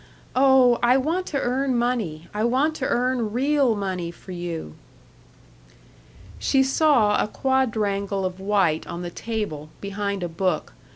"Oh, I want to earn money, I want to earn real money for you." She saw a quadrangle of white on the table, behind a book.